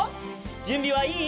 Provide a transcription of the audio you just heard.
じゅんびはいい？